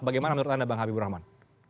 bagaimana menurut anda bang habibur rahman